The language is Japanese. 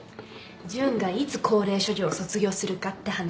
純がいつ高齢処女を卒業するかって話。